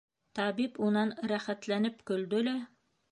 Табип унан рәхәтләнеп көлдө лә: